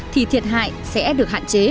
thì thiệt hại sẽ được hạn chế